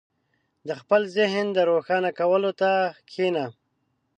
• د خپل ذهن د روښانه کولو ته کښېنه.